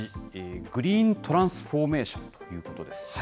グリーン・トランスフォーメーションということです。